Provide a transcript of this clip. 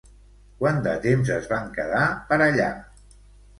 Quant de temps es van quedar per allà?